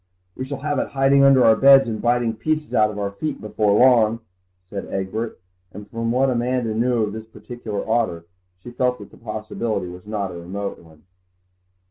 "We shall have it hiding under our beds and biting pieces out of our feet before long," said Egbert, and from what Amanda knew of this particular otter she felt that the possibility was not a remote one.